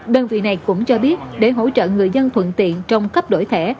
đơn vị này cũng cho biết để hỗ trợ người dân thuận tiện trong cấp đổi thẻ